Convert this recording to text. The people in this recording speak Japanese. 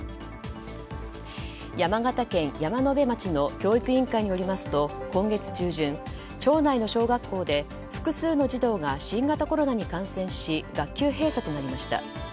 山形県山辺町の教育委員会によりますと今月中旬、町内の小学校で複数の児童が新型コロナに感染し学級閉鎖となりました。